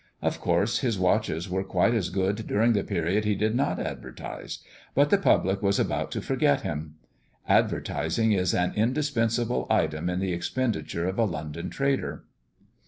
Of course, his watches were quite as good during the period he did not advertise; but the public was about to forget him. Advertising is an indispensable item in the expenditure of a London trader.